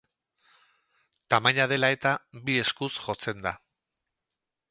Tamaina dela eta, bi eskuz jotzen da.